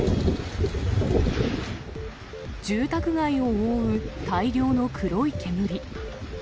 住宅街を覆う大量の黒い煙。